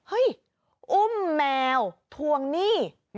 อุ้มแมวทวงหนี้